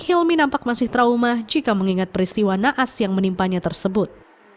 hilmi nampak masih trauma jika mengingat peristiwa naas yang menimpanya tersebut